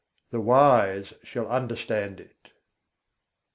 The wise shall understand it.